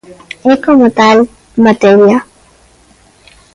E como tal, materia.